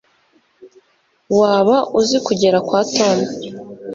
waba uzi kugera kwa tom